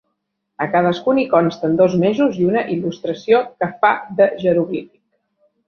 A cadascun hi consten dos mesos i una il·lustració que fa de jeroglífic.